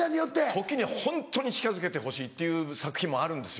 時に「ホントに近づけてほしい」っていう作品もあるんですよ。